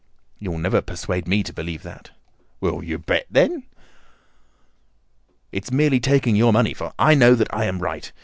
"You'll never persuade me to believe that." "Will you bet, then?" "It's merely taking your money, for I know that I am right.